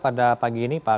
ada di sini nih